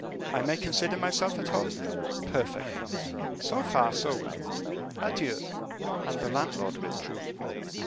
"I may consider myself at home, then?" "Perfectly." "So far so well. Adieu!" And the landlord withdrew.